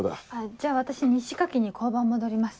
じゃあ私日誌書きに交番戻ります。